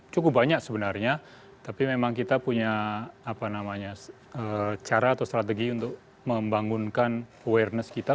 cukup banyak sebenarnya tapi memang kita punya cara atau strategi untuk membangunkan awareness kita